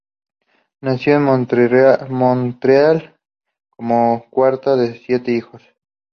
Nació en Montreal, como cuarta de siete hijos.